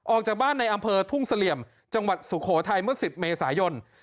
ออกจากบ้านในอำเภอทุ่งเสลี่ยมจังหวัดสุโขทัยเมื่อ๑๐เมษายน